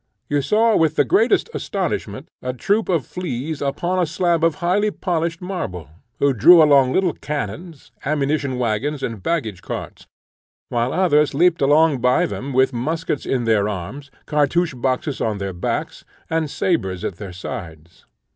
You saw with the greatest astonishment a troop of fleas upon a slab of highly polished marble, who drew along little cannons, ammunition waggons, and baggage carts, while others leaped along by them with muskets in their arms, cartouch boxes on their backs, and sabres at their sides.